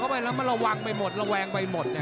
ไปแล้วมันระวังไปหมดระแวงไปหมด